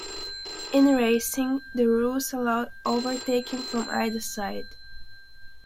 In racing, the rules allow overtaking from either side.